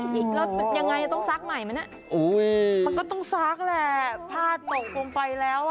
เดี๋ยวยังไงต้องซักใหม่มั้ยนะมันก็ต้องซักแหละผ้าตกลงไปแล้ว